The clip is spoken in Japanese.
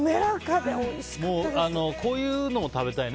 こういうのも食べたいね。